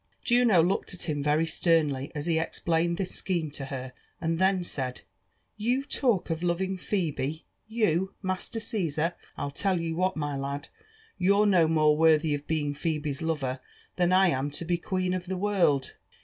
Juno looked at him very sternly as he explained this scheme to her, and then said, •^ You talk of loving Phebe, you. Master Caesar ! I'll tell you what, my lad — you're no more worthy of being Phebe's lover than I am to be queen of the world.